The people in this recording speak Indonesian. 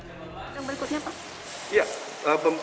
sidang berikutnya pak